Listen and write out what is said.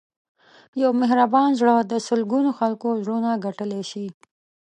یو مهربان زړه د سلګونو خلکو زړونه ګټلی شي.